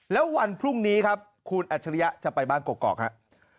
แล้ววันพรุ่งนี้ครับคุณอัจฉริยะจะไปบ้านกรอกครับ